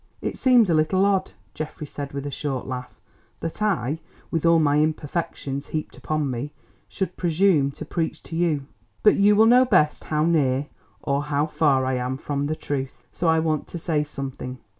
"It seems a little odd," Geoffrey said with a short laugh, "that I, with all my imperfections heaped upon me, should presume to preach to you—but you will know best how near or how far I am from the truth. So I want to say something.